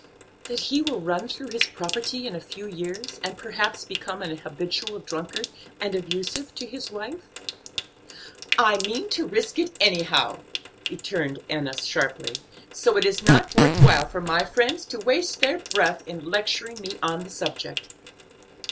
"That he will run through his property in a few years, and perhaps become an habitual drunkard and abusive to his wife." "I mean to risk it anyhow," returned Enna sharply, "so it is not worth while for my friends to waste their breath in lecturing me on the subject."